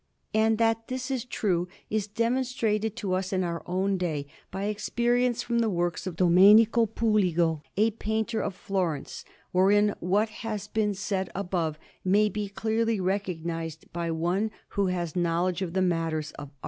And that this is true, is demonstrated to us in our own day by experience, from the works of Domenico Puligo, a painter of Florence; wherein what has been said above may be clearly recognized by one who has knowledge of the matters of art.